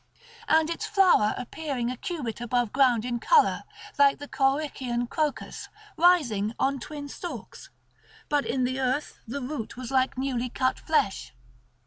And its flower appeared a cubit above ground in colour like the Corycian crocus, rising on twin stalks; but in the earth the root was like newly cut flesh.